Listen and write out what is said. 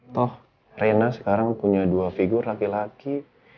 toh rena sekarang punya dua figur laki laki